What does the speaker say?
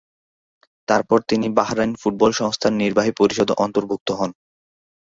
তারপর তিনি Bahrain football সংস্থার নির্বাহী পরিষদে অন্তর্ভুক্ত হন।